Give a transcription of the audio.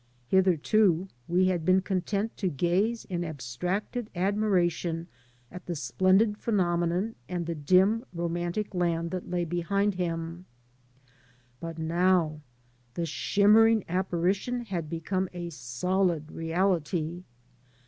Hitherto we had been content to gaze in abstracted admiration at the splendid phenomenon and the dim, romantic land that lay behind him. But now the shimmering apparition had become a solid reality.